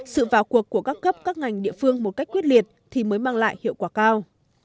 sự vào cuộc của các cấp các ngành địa phương một cách quyết liệt thì mới mang lại hiệu quả cao